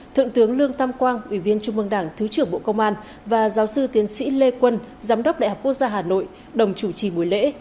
thượng tướng lương tam quang ủy viên trung mương đảng thứ trưởng bộ công an và giáo sư tiến sĩ lê quân giám đốc đại học quốc gia hà nội đồng chủ trì buổi lễ